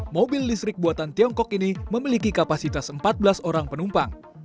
mobil listrik buatan tiongkok ini memiliki kapasitas empat belas orang penumpang